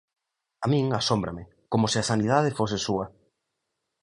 A min asómbrame, ¡como se a sanidade fose súa!